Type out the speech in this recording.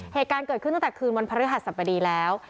เหตุการณ์เกิดขึ้นตั้งแต่คืนวันพระฤหัสสบดีแล้ว